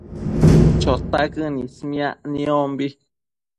Chotaquën ismiac niombi